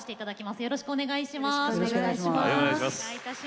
よろしくお願いします。